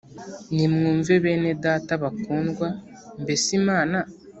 Nimwumve bene Data bakundwa mbese Imana